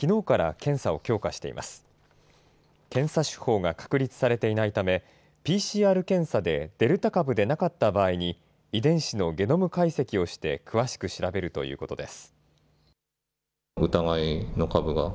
検査手法が確立されていないため、ＰＣＲ検査でデルタ株でなかった場合に、遺伝子のゲノム解析をして詳しく調べるということです。